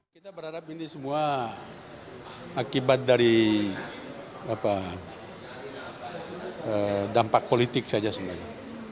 kita berharap ini semua akibat dari dampak politik saja sebenarnya